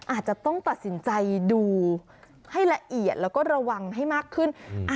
อาจจะต้องตัดสินใจดูให้ละเอียดแล้วก็ระวังให้มากขึ้น